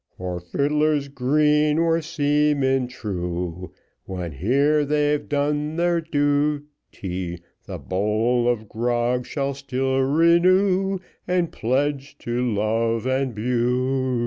For Fidler's Green, where seamen true, When here they've done their duty, The bowl of grog shall still renew And pledge to love and beauty.